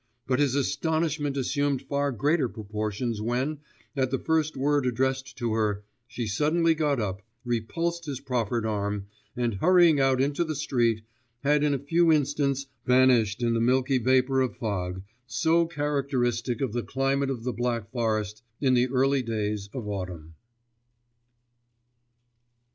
But his astonishment assumed far greater proportions when, at the first word addressed to her, she suddenly got up, repulsed his proffered arm, and hurrying out into the street, had in a few instants vanished in the milky vapour of fog, so characteristic of the climate of the Black Forest in the early days of autumn.